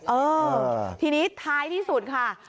เออทีนี้ท้ายที่สุดค่ะ